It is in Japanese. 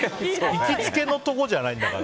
行きつけのところじゃないんだから。